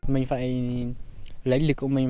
mình phải lấy lực của mình